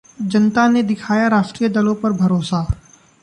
जनता ने दिखाया राष्ट्रीय दलों पर भरोसा